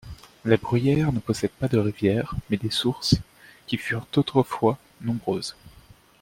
Labruyère ne possède pas de rivière, mais des sources, qui furent autrefois nombreuses.